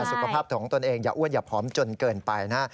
สุขภาพของตนเองอย่าเอวนเป็นจนเกินไปนะ